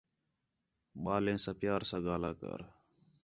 ٻالیں ساں پیار ساں ڳاھلا کر